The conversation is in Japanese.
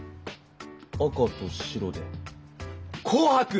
赤と白でこう白？